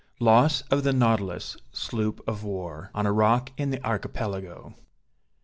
LOSS OF THE NAUTILUS, SLOOP OF WAR, ON A ROCK IN THE ARCHIPELAGO.